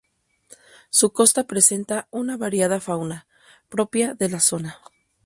Su costa presenta una variada fauna, propia de la zona.